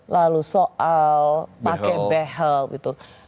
lalu soal pakai behel gitu